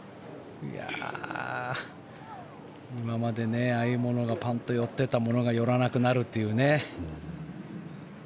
今までああいうものがパンと寄っていたものが寄らなくなるっていう。